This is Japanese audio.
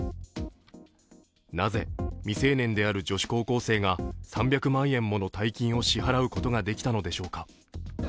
なぜ、未成年である女子高校生が３００万円もの大金を支払うことができたのでしょうか。